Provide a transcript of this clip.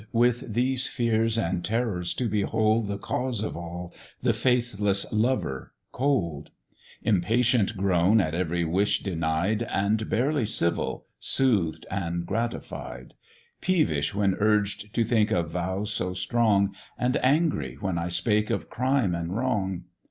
with these fears and terrors to behold The cause of all, the faithless lover, cold; Impatient grown at every wish denied, And barely civil, soothed and gratified; Peevish when urged to think of vows so strong, And angry when I spake of crime and wrong.